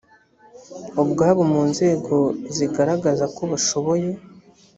ubwabo mu nzego zigaragaza ko bashoboye